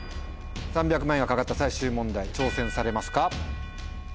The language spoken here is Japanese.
３００万円が懸かった最終問題挑戦されますか？